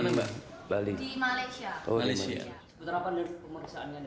seperti apa pemeriksaannya